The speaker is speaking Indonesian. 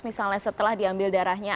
misalnya setelah diambil darahnya